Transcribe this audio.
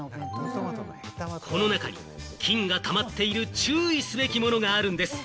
この中に菌がたまっている注意すべきものがあるんです。